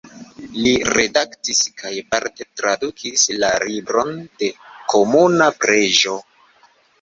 Li redaktis kaj parte tradukis "La Libron de Komuna Preĝo.